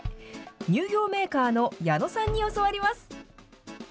乳業メーカーの矢野さんに教わります。